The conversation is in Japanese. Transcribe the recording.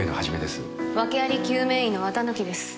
訳あり救命医の綿貫です。